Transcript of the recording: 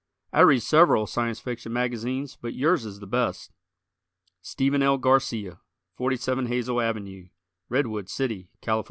I read several Science Fiction magazines but yours is the best. Stephen L. Garcia, 47 Hazel Ave., Redwood City, Calif.